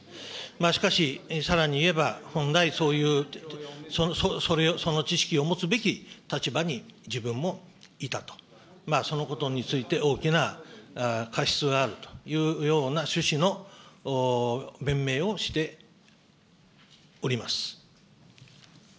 しかし、さらに言えば、本来、そういう、その知識を持つべき立場に自分もいたと、そのことについて大きな過失があるというような趣旨の弁明をしております。